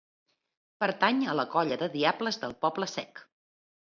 Pertany a la colla de Diables del Poble-Sec.